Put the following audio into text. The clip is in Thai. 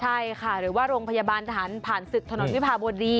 ใช่ค่ะหรือว่าโรงพยาบาลทหารผ่านศึกถนนวิภาวดี